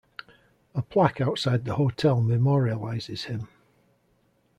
A plaque outside the hotel memorializes him.